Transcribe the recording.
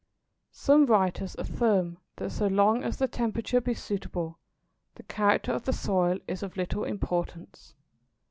Some writers affirm that so long as the temperature be suitable, the character of the soil is of little importance.